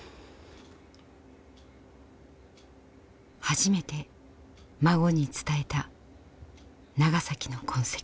初めて孫に伝えた「ナガサキ」の痕跡。